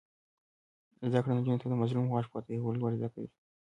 زده کړه نجونو ته د مظلوم غږ پورته کول ور زده کوي.